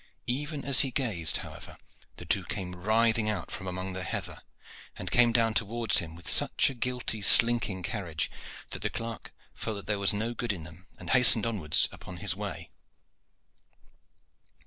Even as he gazed, however, the two came writhing out from among the heather, and came down towards him with such a guilty, slinking carriage, that the clerk felt that there was no good in them, and hastened onwards upon his way.